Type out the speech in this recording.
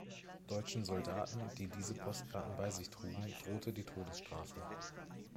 Deutschen Soldaten, die diese Postkarten bei sich trugen, drohte die Todesstrafe.